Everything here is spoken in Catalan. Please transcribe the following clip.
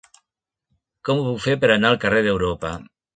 Com ho puc fer per anar al carrer d'Europa?